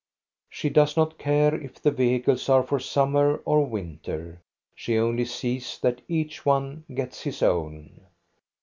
She does not care if the vehicles are for summer or winter, she only sees that each one gets his own.